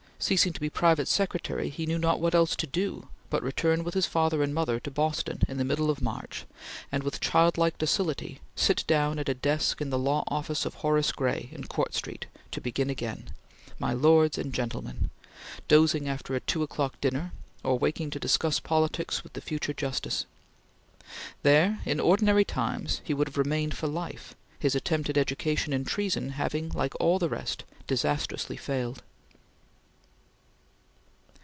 Ceasing to be private secretary he knew not what else to do but return with his father and mother to Boston in the middle of March, and, with childlike docility, sit down at a desk in the law office of Horace Gray in Court Street, to begin again: "My Lords and Gentlemen"; dozing after a two o'clock dinner, or waking to discuss politics with the future Justice. There, in ordinary times, he would have remained for life, his attempt at education in treason having, like all the rest, disastrously failed.